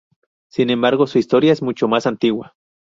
Sin embargo, su historia es mucho más antigua.